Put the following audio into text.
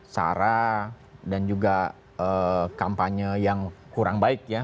sara dan juga kampanye yang kurang baik ya